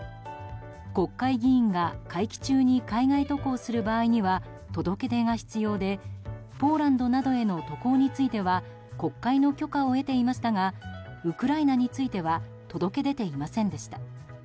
国会議員が会期中に海外渡航する場合には届け出が必要でポーランドなどへの渡航については国会の許可を得ていましたがウクライナについては届け出ていませんでした。